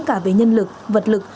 cả về nhân lực vật lực